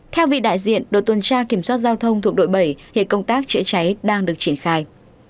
theo vị đại diện đội tuần tra kiểm soát giao thông thuộc đội bảy hiện công tác chữa cháy đang được triển khai